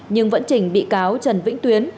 nhưng vẫn trình bị cáo trần vĩnh tuyến